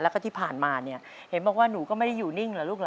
แล้วก็ที่ผ่านมาเนี่ยเห็นบอกว่าหนูก็ไม่ได้อยู่นิ่งเหรอลูกเหรอ